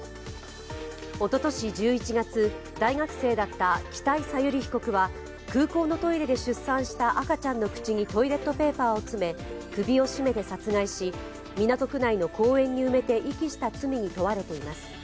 おととし１１月、大学生だった北井小百里被告は、空港のトイレで出産した赤ちゃんの口にトイレットペーパーを詰め、首を絞めて殺害し、港区内の公園に埋めて遺棄した罪に問われています。